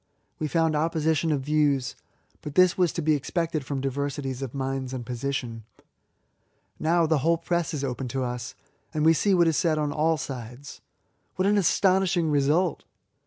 We found opposition of views ; but this was to be expected from diversities, of minds and position. Now the whole press is open to us, and we see what is said on all sides. What an astonishing result!